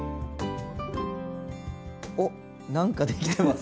おっ何か出来てます。